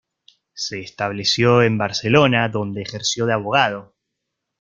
Se estableció en Barcelona, donde ejerció de abogado.